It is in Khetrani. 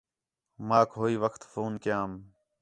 ماک ہوئی وخت فون کَیام